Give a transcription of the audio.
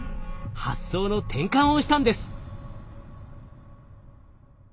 発想の転換をしたんです。